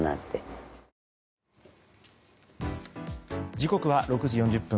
時刻は６時４０分。